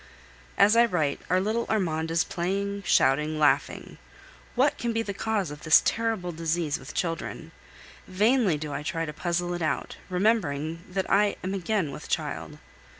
As I write, our little Armand is playing, shouting, laughing. What can be the cause of this terrible disease with children? Vainly do I try to puzzle it out, remembering that I am again with child.